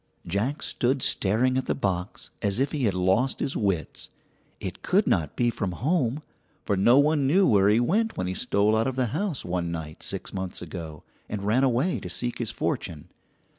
Jack stood staring at the box as if he had lost his wits. It could not be from home, for no one knew where he went when he stole out of the house one night six months ago, and ran away to seek his fortune.